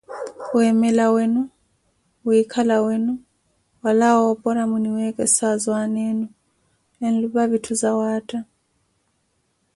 Wemela wenu, wikhala wenu wala wopora mwiniwekesazo aana enu enlupa vitthu zawaatta.